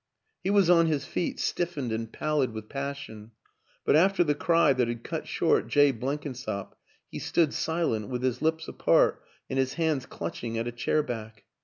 He was on his feet, stiffened and pallid with pas sion; but after the cry that had cut short Jay Blenkinsop he stood silent, with his lips apart and his hands clutching at a chair back.